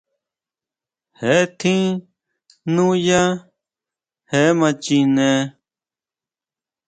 Jee tjín núyá, je ma chine.